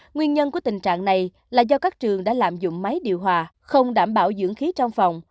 nguyên nhân của tình trạng này là do các trường đã lạm dụng máy điều hòa không đảm bảo dưỡng khí trong phòng